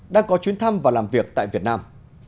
đang có chuyến thăm và làm việc tại việt nam